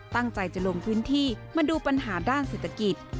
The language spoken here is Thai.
ตั้งใจจะลงพื้นที่มาดูปัญหาด้านเศรษฐกิจ